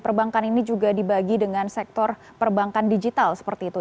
perbankan ini juga dibagi dengan sektor perbankan digital seperti itu